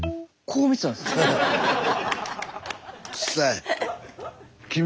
うっさい。